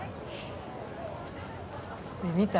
ねえ見た？